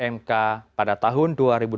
mk pada tahun dua ribu delapan